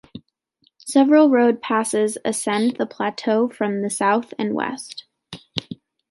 Several road passes ascend the plateau from the south and west.